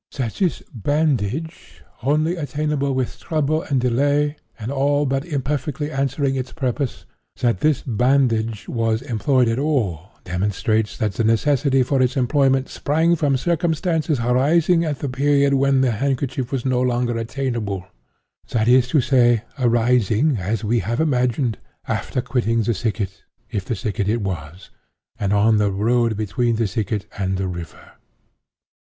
That this 'bandage,' only attainable with trouble and delay, and but imperfectly answering its purpose—that this bandage was employed at all, demonstrates that the necessity for its employment sprang from circumstances arising at a period when the handkerchief was no longer attainable—that is to say, arising, as we have imagined, after quitting the thicket, (if the thicket it was), and on the road between the thicket and the river.